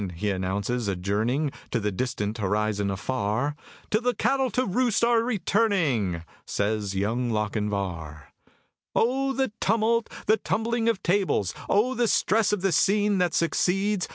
he announces, adjourning To the distant horizon afar, "Till the cattle to roost are returning!" Says Young Lochinvar. O the tumult! The tumbling of tables! O the stress of the scene that succeeds!